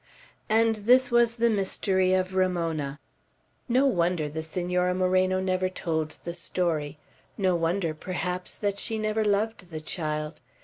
And this was the mystery of Ramona. No wonder the Senora Moreno never told the story. No wonder, perhaps, that she never loved the child.